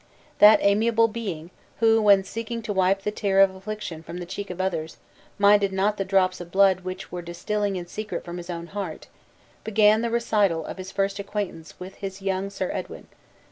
That amiable being, who, when seeking to wipe the tear of affliction from the cheek of others, minded not the drops of blood which were distilling in secret from his own heart, began the recital of his first acquaintance with his young Sir Edwin.